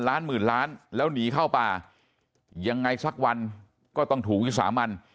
ล้านหมื่นล้านแล้วหนีเข้าป่ายังไงสักวันก็ต้องถูกวิสามัน